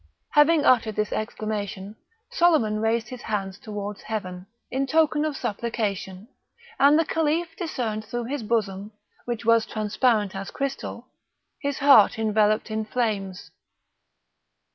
Having uttered this exclamation, Soliman raised his hands towards heaven, in token of supplication, and the Caliph discerned through his bosom, which was transparent as crystal, his heart enveloped in flames.